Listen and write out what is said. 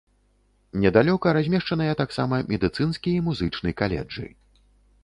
Недалёка размешчаныя таксама медыцынскі і музычны каледжы.